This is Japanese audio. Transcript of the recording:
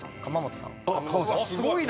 すごいな！